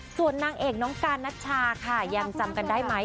ส่วนนางเอกน้องการนัชชาค่ะยังจำกันได้ไหม